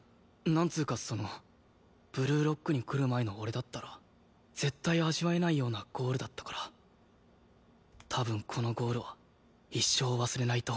なんつうかそのブルーロックに来る前の俺だったら絶対味わえないようなゴールだったから多分このゴールは一生忘れないと思う。